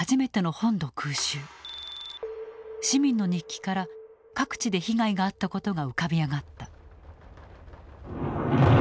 市民の日記から各地で被害があったことが浮かび上がった。